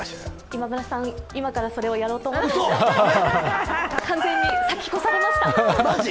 今村さん、今からそれをやろうと思っているんですが完全に先を越されました。